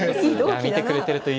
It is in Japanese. あ見てくれてるといいですね。